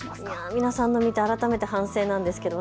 皆さんの見て改めて反省なんです。